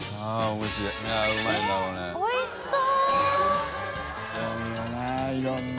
おいしそう！